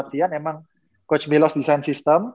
waktu latihan emang coach milos desain sistem